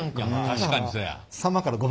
確かにそや。